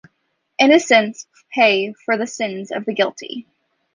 Innocents pay for the sins of the guilty